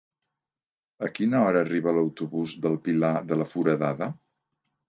A quina hora arriba l'autobús del Pilar de la Foradada?